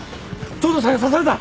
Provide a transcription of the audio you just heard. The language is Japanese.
東堂さんが刺された！